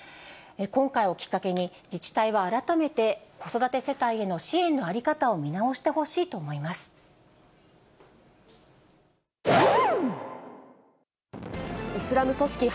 今回をきっかけに、自治体は改めて子育て世帯への支援の在り方を見直してほしいと思私の肌は欲張り。